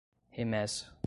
remessa